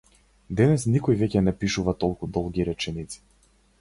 Денес никој веќе пишува толку долги реченици.